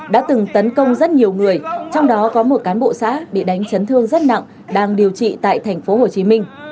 đã từng tấn công rất nhiều người trong đó có một cán bộ xã bị đánh chấn thương rất nặng đang điều trị tại tp hcm